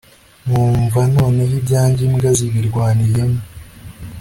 nkumva noneho ibyanjye imbwa zibirwaniyemo